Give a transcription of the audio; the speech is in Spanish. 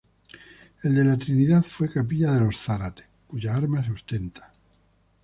El de la Trinidad fue capilla de los Zárate, cuyas armas ostenta.